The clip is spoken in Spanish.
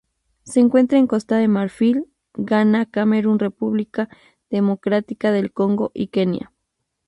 Se encuentra en Costa de Marfil, Ghana Camerún República Democrática del Congo y Kenia.